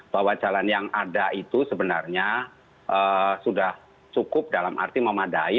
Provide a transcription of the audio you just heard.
bahwa jalan yang ada itu sebenarnya sudah cukup dalam arti memadai